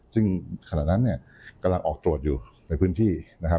ซึ่งขณะนั้นกำลังออกตรวจอยู่ในพื้นที่